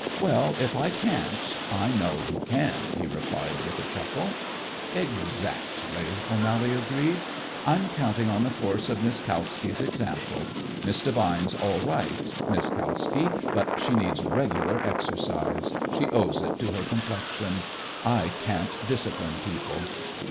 "Well, if I can't, I know who can," he replied, with a chuckle. "Exactly," O'Mally agreed. "I'm counting on the force of Miss Kalski's example. Miss Devine's all right, Miss Kalski, but she needs regular exercise. She owes it to her complexion. I can't discipline people."